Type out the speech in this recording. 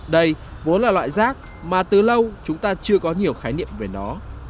đây vốn là loại rác mà từ lâu chúng ta chưa có nhiều khái niệm về nó